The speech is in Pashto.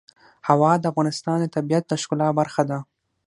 هوا د افغانستان د طبیعت د ښکلا برخه ده.